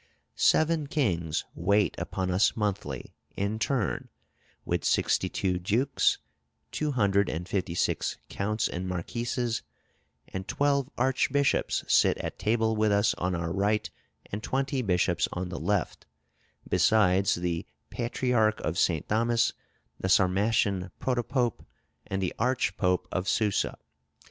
"Seven kings wait upon us monthly, in turn, with sixty two dukes, two hundred and fifty six counts and marquises: and twelve archbishops sit at table with us on our right, and twenty bishops on the left, besides the patriarch of St. Thomas, the Sarmatian Protopope, and the Archpope of Susa....